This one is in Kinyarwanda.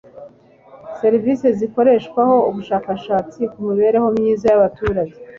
serivisi zakoreweho ubushakashatsi ku mibereho myiza y' abaturage